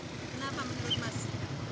kenapa menurut mas